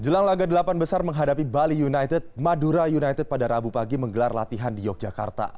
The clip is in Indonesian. jelang laga delapan besar menghadapi bali united madura united pada rabu pagi menggelar latihan di yogyakarta